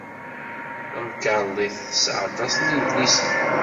Tamkarḍit tesɛa aṭas n yidlisen.